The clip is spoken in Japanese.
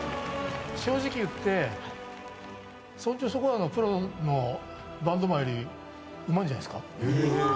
正直言ってそんじょそこらのプロのバンドマンよりうまいんじゃないですか。